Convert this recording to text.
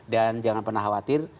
dan jangan pernah khawatir